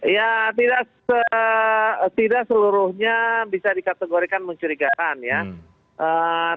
ya tidak seluruhnya bisa dikategorikan mencurigakan ya